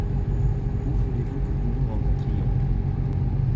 Où voulez-vous que nous nous rencontrions ?